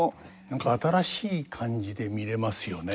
何か新しい感じで見れますよね。